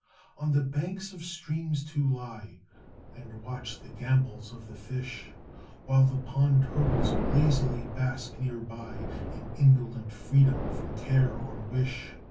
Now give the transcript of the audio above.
On the banks of streams to lie, And watch the gambols of the fish, While the pond turtles lazily bask near by, In indolent freedom from care or wish.